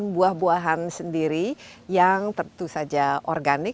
dan buah buahan sendiri yang tentu saja organik